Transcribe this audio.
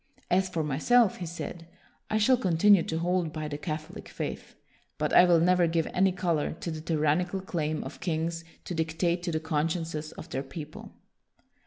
" As for myself," he said, " I shall continue to hold by the Catholic faith; but I will never give any color to the tyrannical claim of kings to dictate to the consciences of their people."